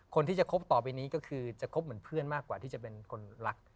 คนที่จะคบต่อไปนี้ก็คือจะคบเหมือนเพื่อนมากกว่าที่จะเป็นคนรัก